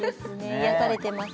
癒やされてます。